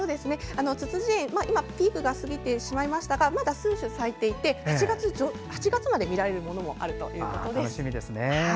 ツツジ園、今はピークが過ぎてしまいましたがまだ数種咲いていて８月まで見られるものもあるということです。